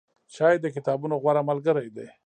چای د کتابونو غوره ملګری دی.